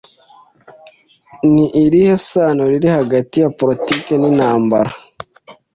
Ni irihe sano riri hagati ya politiki n'intambara?